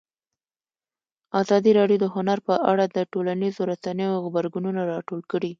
ازادي راډیو د هنر په اړه د ټولنیزو رسنیو غبرګونونه راټول کړي.